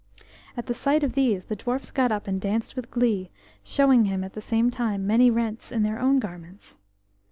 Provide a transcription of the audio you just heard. At the sight of these the dwarfs got up and danced with glee, showing him at the same time many rents in their own garments.